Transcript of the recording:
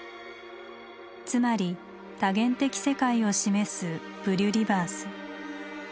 つまり「多元的世界」を示すプリュリバース。